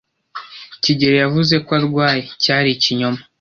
kigeli yavuze ko arwaye, cyari ikinyoma.